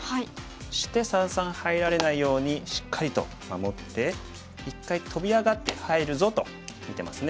そして三々入られないようにしっかりと守って一回トビ上がって入るぞと見てますね。